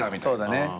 そうだね。